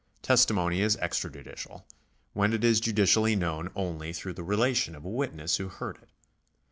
Testimony is extrajudicial, when it is judicial^ known only through the relation of a witness who heard it.